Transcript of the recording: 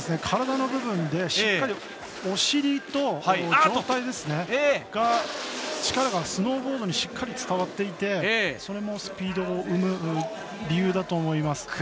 体の部分でしっかりお尻と上体が力がスノーボードにしっかり伝わっていてそれもスピードを生む理由だと思います。